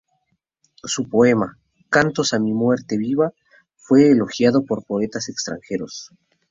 Su poema "Cantos a mi muerte viva" fue elogiado por poetas extranjeros.